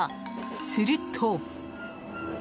すると。